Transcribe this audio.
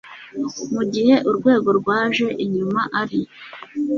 mu gihe urwego rwaje inyuma ari